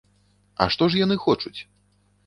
А што ж яны хочуць?